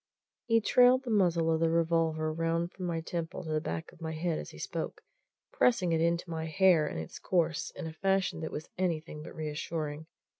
He trailed the muzzle of the revolver round from my temple to the back of my head as he spoke, pressing it into my hair in its course in a fashion that was anything but reassuring.